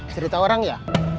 cerita orang ya